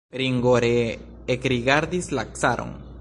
Ringo ree ekrigardis la caron.